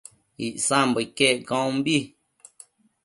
Icsambo iquec caunbi